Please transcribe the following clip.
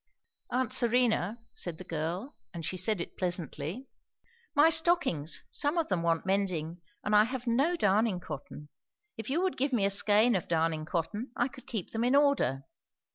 "Aunt Serena," said the girl, and she said it pleasantly, "my stockings some of them want mending, and I have no darning cotton. If you would give me a skein of darning cotton, I could keep them in order."